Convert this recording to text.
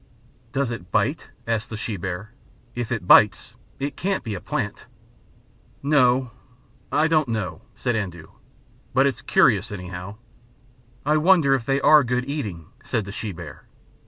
"Does it bite?" asked the she bear. "If it bites it can't be a plant." "No I don't know," said Andoo. "But it's curious, anyhow." "I wonder if they are good eating?" said the she bear.